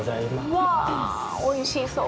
うわあ、おいしそう。